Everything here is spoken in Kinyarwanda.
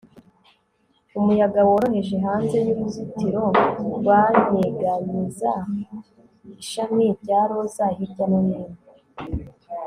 Umuyaga woroheje hanze yuruzitiro rwanyeganyeza ishami rya roza hirya no hino